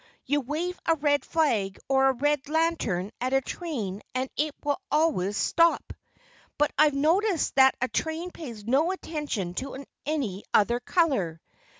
You wave a red flag or a red lantern at a train and it will always stop. But I've noticed that a train pays no attention to any other color.